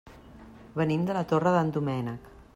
Venim de la Torre d'en Doménec.